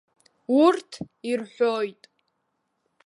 Урҭ ирҳәоит.